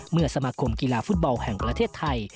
เมื่อสมคมกีฬาฟุตเบาแห่งประเทศไทย